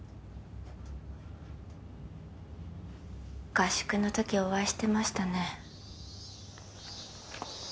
合宿の時お会いしてましたね